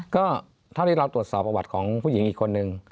ก็เท่าที่เราตรวจสอบประวัติของผู้หญิงอีกคนนึง